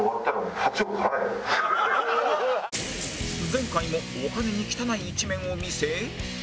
前回もお金に汚い一面を見せ